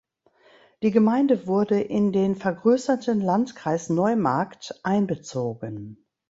Die Gemeinde wurde in den vergrößerten Landkreis Neumarkt einbezogen.